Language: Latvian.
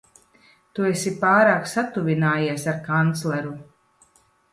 Tu esi pārāk satuvinājies ar kancleru.